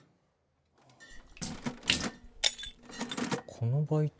このバイト。